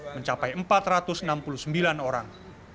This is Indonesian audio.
mencapai empat ratus enam puluh sembilan orang